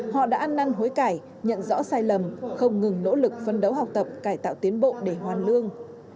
họ đã ăn năn hối cải nhận rõ sai lầm không ngừng nỗ lực phân đấu học tập cải tạo tiến bộ để hoàn lương